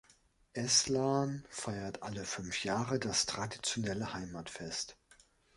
Eslarn feiert alle fünf Jahre das traditionelle Heimatfest.